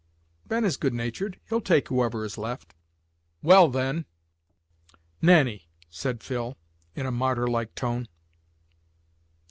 Ben is good natured; he'll take whoever is left." "Well, then Nannie," said Phil, in a martyrlike tone.